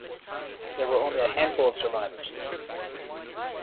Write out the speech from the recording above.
There were only a handful of survivors.